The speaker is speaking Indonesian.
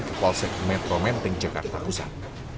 ke polsek metro menteng jakarta pusat